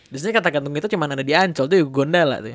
biasanya kereta gantung itu cuma ada di ancol tuh ya gondola tuh